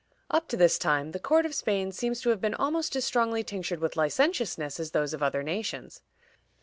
Up to this time the court of Spain seems to have been almost as strongly tinctured with licentiousness as those of other nations.